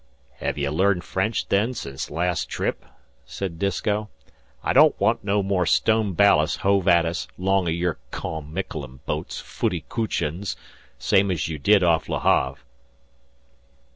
"Hev ye learned French then sence last trip?" said Disko. "I don't want no more stone ballast hove at us 'long o' your callin' Miquelon boats 'footy cochins,' same's you did off Le Have."